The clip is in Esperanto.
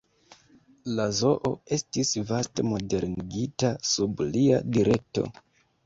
La zoo estis vaste modernigita sub lia direkto.